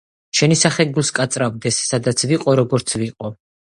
შენი სახე გულს კაწრავდეს, სადაც ვიყო, როგორც ვიყო,